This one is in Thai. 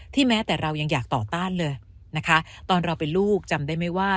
แม้แต่เรายังอยากต่อต้านเลยนะคะตอนเราเป็นลูกจำได้ไหมว่า